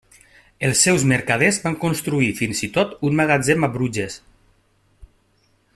Els seus mercaders van construir fins i tot un magatzem a Bruges.